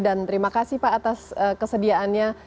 dan terima kasih pak atas kesediaannya di cnn info